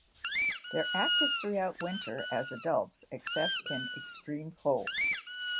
They are active throughout winter as adults, except in extreme cold.